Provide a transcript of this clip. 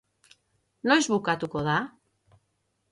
Noiz bukatuko da?